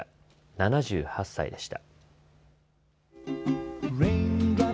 ７８歳でした。